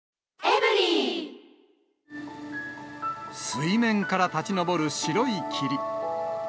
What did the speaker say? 水面から立ち上る白い霧。